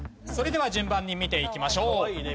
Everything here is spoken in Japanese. それでは順番に見ていきましょう。